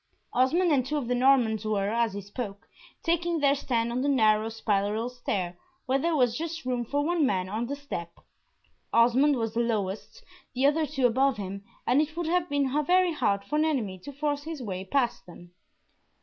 Osmond and two of the Normans were, as he spoke, taking their stand on the narrow spiral stair, where there was just room for one man on the step. Osmond was the lowest, the other two above him, and it would have been very hard for an enemy to force his way past them.